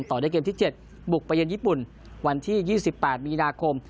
ต่อด้วยเกมที่๗บุกไปเยือนญี่ปุ่นวันที่๒๘มีนาคม